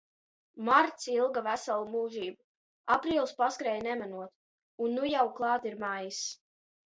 Marts ilga veselu mūžību, aprīlis paskrēja nemanot, un nu jau klāt ir maijs.